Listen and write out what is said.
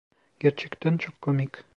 Gerçekten çok komik.